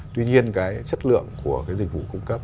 tuy nhiên cái chất lượng của cái dịch vụ cung cấp